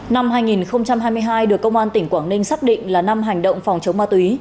năm hai nghìn hai mươi hai được công an tỉnh quảng ninh xác định là năm hành động phòng chống ma túy